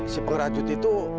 si pengerajuan itu